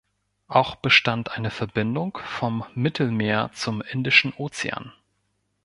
Auch bestand eine Verbindung vom Mittelmeer zum Indischen Ozean.